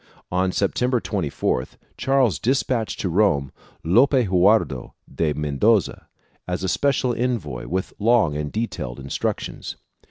On September 24th, Charles despatched to Rome Lope Hurtado de Mendoza as a special envoy with long and detailed instructions.